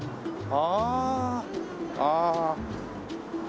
ああ。